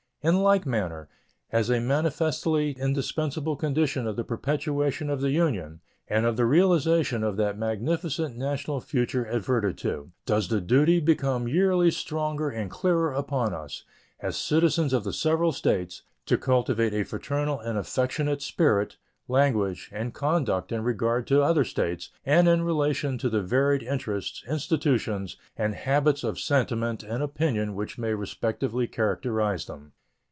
In like manner, as a manifestly indispensable condition of the perpetuation of the Union and of the realization of that magnificent national future adverted to, does the duty become yearly stronger and clearer upon us, as citizens of the several States, to cultivate a fraternal and affectionate spirit, language, and conduct in regard to other States and in relation to the varied interests, institutions, and habits of sentiment and opinion which may respectively characterize them.